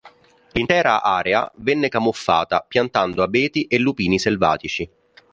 L'intera area venne camuffata piantando abeti e lupini selvatici.